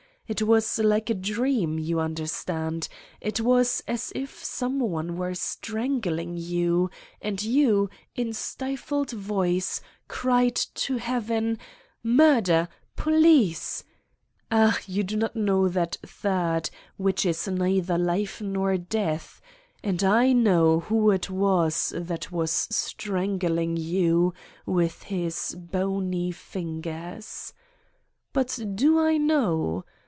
It was like a dream, you under stand : it was as if some one were strangling you, and you, in stifled voice, cried to heaven : Murder! Police ! Ah, you do not know that third, which is neither life nor death, and I know who it was that was strangling you with his bony fingers! 80 Satan's Diary But do I know?